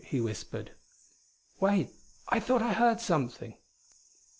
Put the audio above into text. he whispered. "Wait! I thought I heard something."